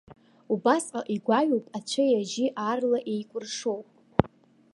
Убасҟак игәаҩоуп, ацәеи ажьи аарла еикәыршоуп.